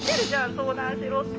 相談しろって！